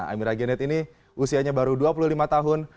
amira gened ini usianya baru dua puluh lima tahun